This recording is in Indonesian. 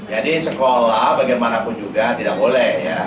jadi sekolah bagaimanapun juga tidak boleh ya